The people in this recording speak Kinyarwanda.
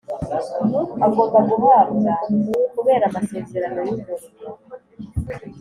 agomba guhabwa kubera amasezerano y umurimo